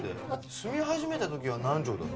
住み始めた時は何畳だったの？